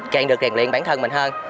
càng được rèn luyện bản thân mình hơn